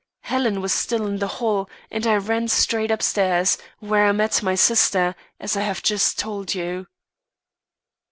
Helen was still in the hall, and I ran straight upstairs, where I met my sister, as I have just told you."